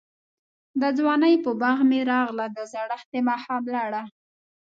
دځوانۍ په باغ می راغله، دزړښت دماښام لړه